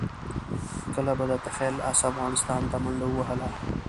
کله به د تخیل اس افغانستان ته منډه ووهله.